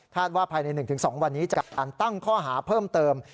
ว่าภายใน๑๒วันนี้จะอันตั้งข้อหาเพิ่มเติม